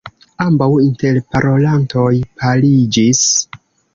Ambaŭ interparolantoj paliĝis.